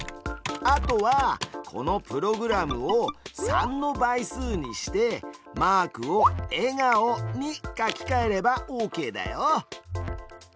あとはこのプログラムを３の倍数にしてマークを笑顔に書きかえればオーケーだよ。